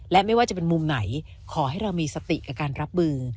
และไม่ว่าจะเป็นมุมไหนขอให้เรามีสติกับการรับมือ